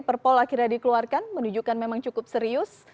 perpol akhirnya dikeluarkan menunjukkan memang cukup serius